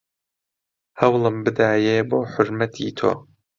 هەوڵم بدایێ بۆ حورمەتی تۆ